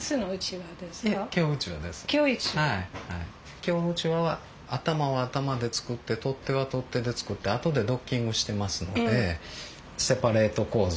京うちわは頭は頭で作って取っ手は取っ手で作って後でドッキングしてますのでセパレート構造。